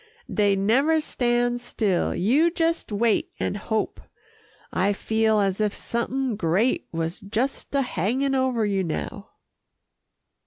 Dey never stand still. You jes' wait an' hope. I feel as if somethin' great was jes' a hangin' over you now."